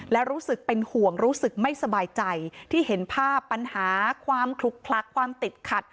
และรู้สึกเป็นห่วงรู้สึกไม่สบายใจที่เห็นภาพปัญหาความคลุกคลักความติดขัด